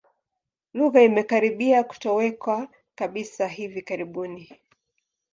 Lugha imekaribia kutoweka kabisa hivi karibuni.